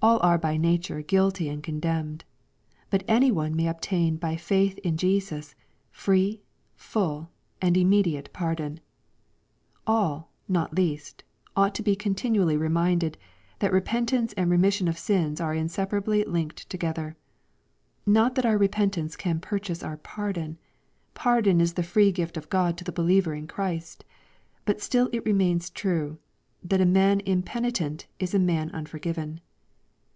All are by nature guilty and con demned. But any one may obtain by faith in Jesus, free, full, and immediate pardon. — ^AU, not least, ought to be continually reminded, that repentance and remission of sins are inseparably linked together. Not that our re pentance can purchase our pardon. Pardon is tbe free gift of God to the believer in Christ. But still it re mains true, that a man impenitent is a man unforgiven.